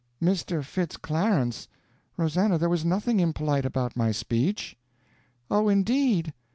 "Mister Fitz Clarence! Rosannah, there was nothing impolite about my speech." "Oh, indeed!